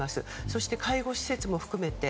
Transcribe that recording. そして介護施設も含めて。